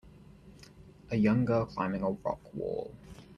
A young girl climbing a rock wall.